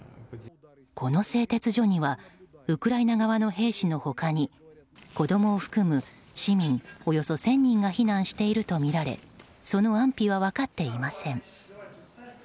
この製鉄所にはウクライナ側の兵士の他に子供を含む市民およそ１０００人が避難しているとみられその安否は分かっていません。